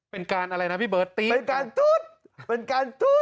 เป็นการอะไรนะพี่เบิร์ดเป็นการเป็นการ